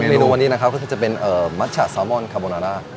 เมนูวันนี้นะครับก็คือจะเป็นมัชชะซามอนคาโบนาน่า